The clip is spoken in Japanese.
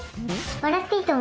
『笑っていいとも！』